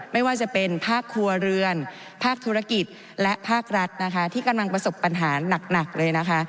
ไม่ว่าจะเป็นภาคครัวเรือนภาคธุรกิจและภาครัฐนะคะที่กำลังประสบปัญหาหนักเลยนะคะ